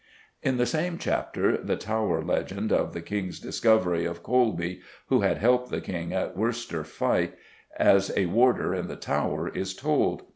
In the same chapter the Tower legend of the King's discovery of Coleby (who had helped the King at Worcester fight) as a warder in the Tower is told.